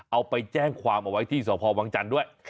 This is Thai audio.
เอาไปแจ้งความเอาไว้ที่สพวังจันทร์ด้วย